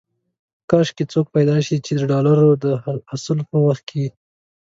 کاش کې څوک پيدا شي چې د ډالرو د حصول په وخت کې.